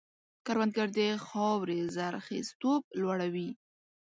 کروندګر د خاورې زرخېزتوب لوړوي